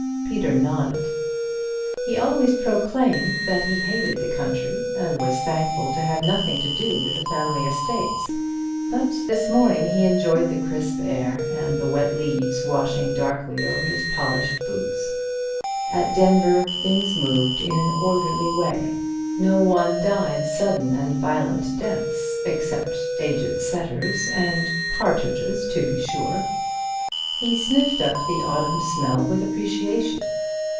Peter nodded. He always proclaimed that he hated the country and was thankful to have nothing to do with the family estates, but this morning he enjoyed the crisp air and the wet leaves washing darkly over his polished boots. At Denver things moved in an orderly way; no one died sudden and violent deaths except aged setters—and partridges, to be sure. He sniffed up the autumn smell with appreciation.